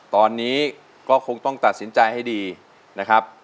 ตอนนี้ก็คงต้องตัดสินใจให้ดีนะครับ